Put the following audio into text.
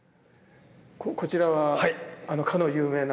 こちらはあのかの有名な。